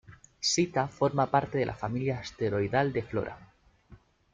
Sita forma parte de la familia asteroidal de Flora.